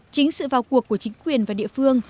chính sự vào cuộc của chính quyền và địa phương